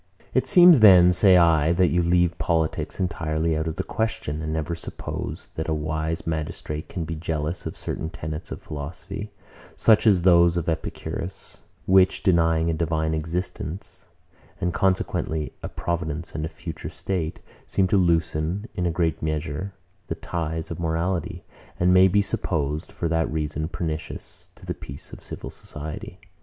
103. It seems then, say I, that you leave politics entirely out of the question, and never suppose, that a wise magistrate can justly be jealous of certain tenets of philosophy, such as those of Epicurus, which, denying a divine existence, and consequently a providence and a future state, seem to loosen, in a great measure, the ties of morality, and may be supposed, for that reason, pernicious to the peace of civil society.